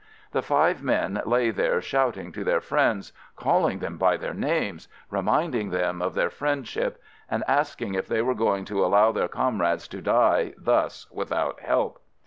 The five men lay there shouting to their friends — calling them by their names — reminding them of their friendship — and asking if they were going to allow their comrades to die thus without help.